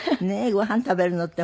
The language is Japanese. ご飯食べるのって